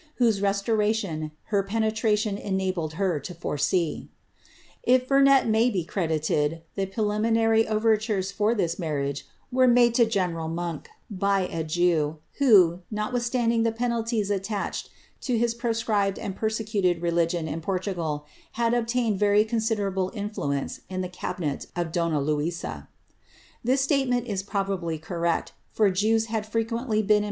whose restoration her penetialioi k enabled her to foresee. [. If Burnet may be credited, the preliminary overtures for this marrisge were made to General Monk, by a Jew, who, notwithstanding the penalties attached to his proscribed and persecuted religion in Poitiigsli had obtained very considerable infiuence in the cabinet of donna Luis' This statement is probably correct, for Jews have frequently been ' Ereceira Portug.